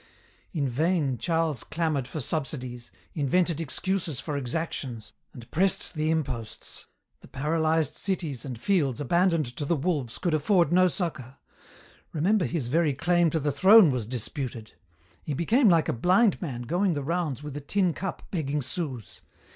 "In vain Charles clamoured for subsidies, invented excuses for exactions, and pressed the imposts. The paralyzed cities and fields abandoned to the wolves could afford no succour. Remember his very claim to the throne was disputed. He became like a blind man going the rounds with a tin cup begging sous.